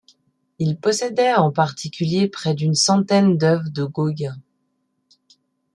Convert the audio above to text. Il possédait en particulier près d'une centaine d'œuvres de Gauguin.